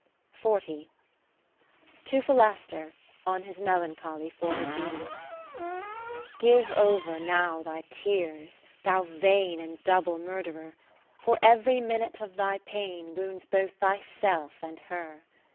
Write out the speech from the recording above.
20 To Philaster, on his Melan choly for Regina Give over now thy tears, thou vain And double Murtherer; For every minute of thy pain ^^'ounds both thyself and her.